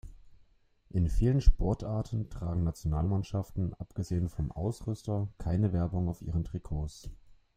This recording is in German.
In vielen Sportarten tragen Nationalmannschaften, abgesehen vom Ausrüster, keine Werbung auf ihren Trikots.